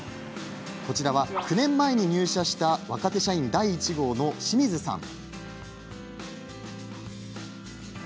こちらは９年前に入社した若手社員第１号の清水さん。